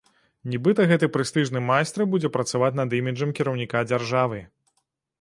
Нібыта, гэты прэстыжны майстра будзе працаваць над іміджам кіраўніка дзяржавы.